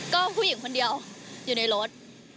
ก็ผู้หญิงคนเดียวอยู่ในรถ